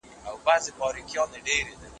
دا موږ ولي همېشه غم ته پیدا یو